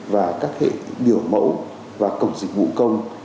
và các hệ biểu mẫu và cổng dịch vụ công